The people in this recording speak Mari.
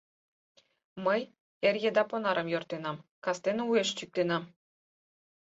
Мый эр еда понарым йӧртенам, кастене уэш чӱктенам.